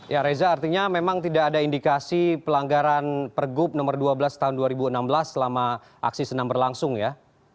ya reza artinya memang tidak ada indikasi pelanggaran pergub nomor dua belas tahun dua ribu enam belas selama aksi senam berlangsung ya